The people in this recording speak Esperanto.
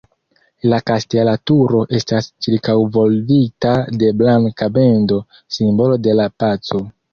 La kastela turo estas ĉirkaŭvolvita de blanka bendo, simbolo de la paco.